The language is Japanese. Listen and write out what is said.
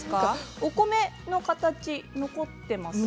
お米の形、残っていますか？